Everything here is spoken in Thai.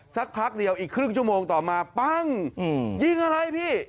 สักพักเดียวอีกครึ่งชั่วโมงต่อมาปั้งยิงอะไรพี่